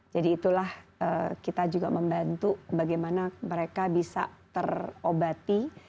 jadi itulah kita juga membantu bagaimana mereka bisa terobati